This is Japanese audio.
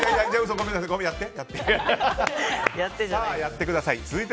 やってください。